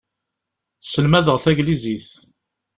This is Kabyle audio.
Selmadeɣ tagnizit.